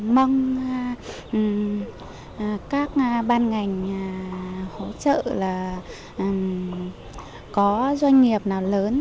mong các ban ngành hỗ trợ là có doanh nghiệp nào lớn